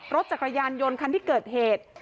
รถจักรยานยนต์คันที่เกิดเหตุ